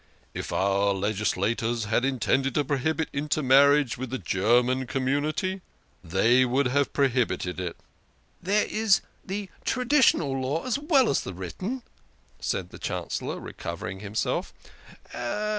" If our legislators had intended to prohibit intermarriage with the German community, they would have prohibited it." " There is the Traditional Law as well as the Written," said the Chancellor, recovering himself.